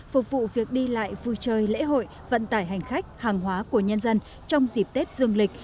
phục vụ việc đi lại vui chơi lễ hội vận tải hành khách hàng hóa của nhân dân trong dịp tết dương lịch